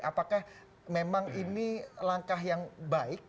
apakah memang ini langkah yang baik